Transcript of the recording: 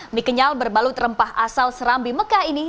mie kenyal berbalut rempah asal serambi mekah ini